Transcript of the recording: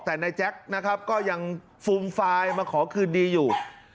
แต่ไน่แจ๊กก็ยังฟูมฟายมาขอคืนดีอยู่